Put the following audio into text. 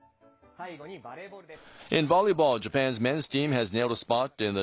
最後に、バレーボールです。